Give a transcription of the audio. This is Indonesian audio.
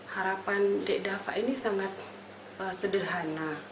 harapan dek dava ini sangat sederhana